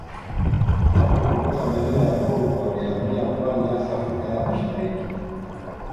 Watu kutoka maeneo ya Kongo walihamia pwani ya Afrika ya Mashariki